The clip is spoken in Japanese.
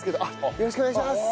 よろしくお願いします。